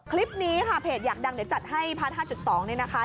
คลิปนี้ค่ะเพจอยากดังเดี๋ยวจัดให้พาร์ท๕๒นี่นะคะ